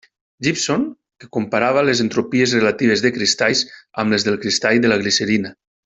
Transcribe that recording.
Gibson que comparava les entropies relatives de cristalls amb les del cristall de la glicerina.